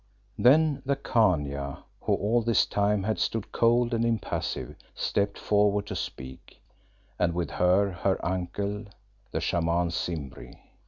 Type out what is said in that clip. Then the Khania, who all this time had stood cold and impassive, stepped forward to speak, and with her her uncle, the Shaman Simbri.